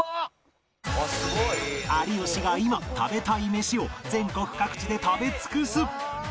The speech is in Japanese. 有吉が今食べたいメシを全国各地で食べ尽くす！